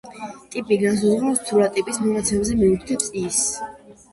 ტიპი განსაზღვრავს თუ რა ტიპის მონაცემზე მიუთითებს ის.